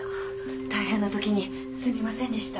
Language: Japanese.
大変なときにすみませんでした。